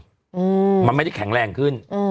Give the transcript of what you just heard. อืมมันไม่ได้แข็งแรงขึ้นอืม